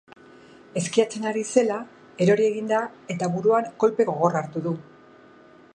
Eskiatzen ari zela erori egin da eta buruan kolpe gogorra hartu du.